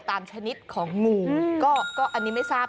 ชนิดของงูก็อันนี้ไม่ทราบ